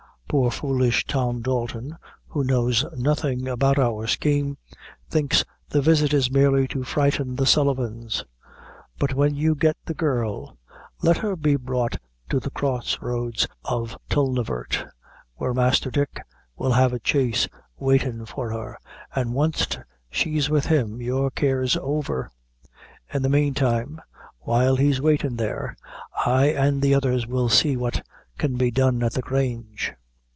Poor foolish Tom Dalton, who knows nothing about our scheme, thinks the visit is merely to frighten the Sullivans; but when you get the girl, let her be brought to the crossroads of Tulnavert, where Masther Dick will have a chaise waitin' for her, an' wanst she's with him your care's over. In the meantime, while he's waitin' there, I an' the others will see what can be done at the Grange."